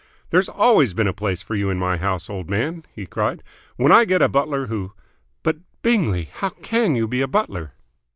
"There's always been a place for you in my house, old man!" he cried. "When I get a butler who " "But, Bingley! How can you be a butler?"